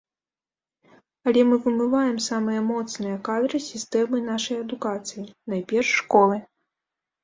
Але мы вымываем самыя моцныя кадры з сістэмы нашай адукацыі, найперш школы.